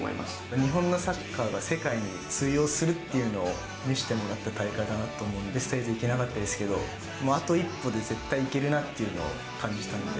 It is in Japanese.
日本のサッカーが世界に通用するっていうのを見せてもらった大会だなと思いますし、ベスト８行けなかったですけど、あと一歩で絶対行けるなっていうのを感じたので。